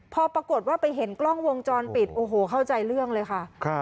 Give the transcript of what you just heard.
พอปรากฏว่าไปเห็นกล้องวงจรปิดโอ้โหเข้าใจเรื่องเลยค่ะ